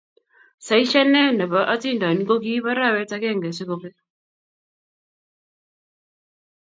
Saishanee ne bo atindonik ko kiib arawet akenge si kobek.